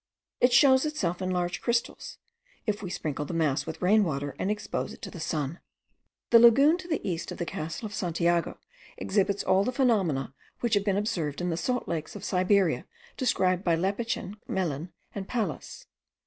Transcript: It shows itself in large crystals, if we sprinkle the mass with rain water and expose it to the sun. The lagoon to the east of the castle of Santiago exhibits all the phenomena which have been observed in the salt lakes of Siberia, described by Lepechin, Gmelin, and Pallas.